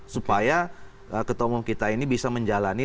supaya ketua umum kita ini bisa menjalani